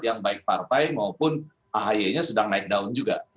yang baik partai maupun ahy nya sedang naik daun juga